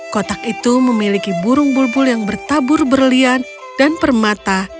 kotak itu memiliki burung bulbul yang bertabur berlian dan permata